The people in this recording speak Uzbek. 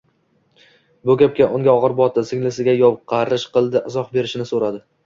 Bu gap unga og‘ir botdi, singlisiga yovqarash qildi izoh berishini so‘radi